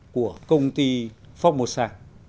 của công ty phong mô sa